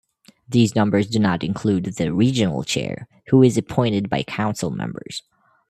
These numbers do not include the regional chair, who is appointed by council members.